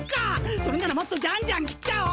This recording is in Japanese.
それならもっとジャンジャン切っちゃおう！